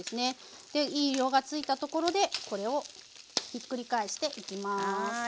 いい色がついたところでこれをひっくり返していきます。